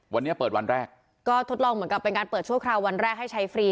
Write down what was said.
วันนี้เปิดวันแรกก็ทดลองเหมือนกับเป็นการเปิดชั่วคราววันแรกให้ใช้ฟรี